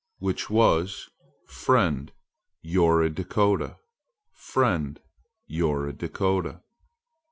which was "Friend, you're a Dakota! Friend, you're a Dakota!"